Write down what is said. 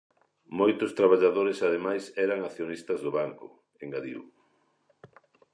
"Moitos traballadores ademais eran accionistas do banco", engadiu.